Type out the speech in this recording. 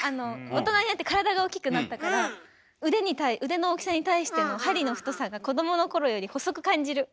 大人になって体が大きくなったから腕の大きさに対しての針の太さが子どものころより細く感じる。